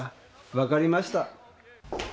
分かりました。